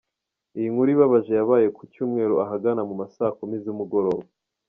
Iyi nkuru ibabaje yabaye ku cyumweru ahagana mu ma saa kumi z’umugoroba.